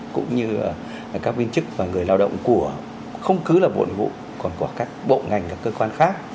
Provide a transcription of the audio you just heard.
cũng như các viên chức và người lao động của không cứ là bộ nội vụ còn của các bộ ngành và cơ quan khác